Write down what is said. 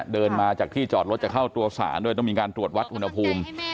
เดินมาจากที่จอดรถจะเข้าตัวสารด้วยต้องมีการตรวจวัดอุณหภูมิ